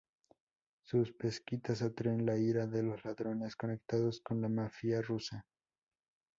Sus pesquisas atraen la ira de los ladrones, conectados con la mafia rusa.